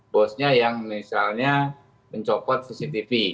bosnya yang misalnya mencopot cctv